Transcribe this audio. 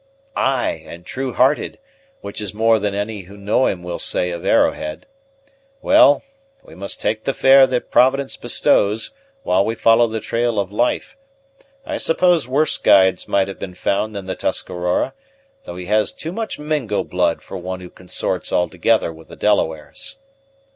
"Ay, and true hearted; which is more than any who know him will say of Arrowhead. Well, we must take the fare that Providence bestows, while we follow the trail of life. I suppose worse guides might have been found than the Tuscarora; though he has too much Mingo blood for one who consorts altogether with the Delawares."